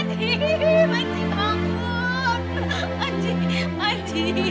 tunggu rpm lemari